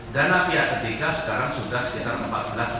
dana pihak ketiga sekarang sudah sekitar empat belas lima belas persen